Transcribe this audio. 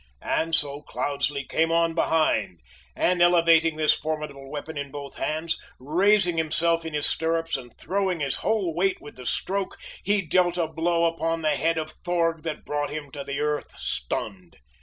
And so Cloudesley came on behind, and elevating this formidable weapon in both hands, raising himself in his stirrups and throwing his whole weight with the stroke, he dealt a blow upon the head of Thorg that brought him to the earth stunned.